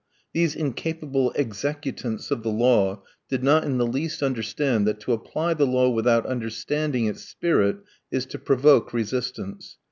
These incapable executants of the law did not in the least understand that to apply the law without understanding its spirit is to provoke resistance.